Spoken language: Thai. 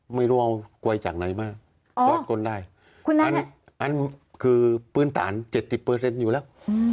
ไม่รู้เอากว่ายจากไหนมาเอาแบบนั้นคือฝื่นศาล๗๐เปอร์เซ็นต์อยู่แล้ว